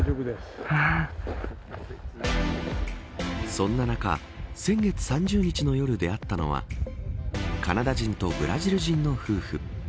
そんな中、先月３０日の夜出会ったのはカナダ人とブラジル人の夫婦。